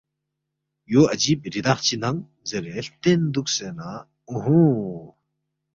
یو عجیب ریدخ چی ننگ زیرے ہلتین دوکسے نہ اُوہُوں،